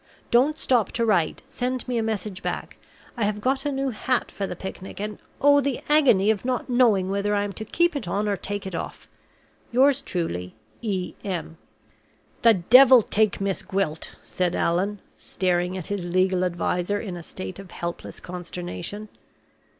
Don't stop to write; send me a message back. I have got a new hat for the picnic; and oh, the agony of not knowing whether I am to keep it on or take it off. Yours truly, E. M." "The devil take Miss Gwilt!" said Allan, staring at his legal adviser in a state of helpless consternation.